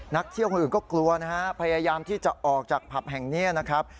นักเที่ยวคนอื่นก็กลัวนะฮะพยายามที่จะออกจากผับแห่งนี้นะครับ